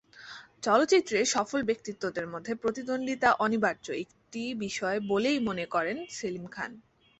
চলচ্চিত্রের সফল ব্যক্তিত্বদের মধ্যে প্রতিদ্বন্দ্বিতা অনিবার্য একটি বিষয় বলেই মনে করেন সেলিম খান।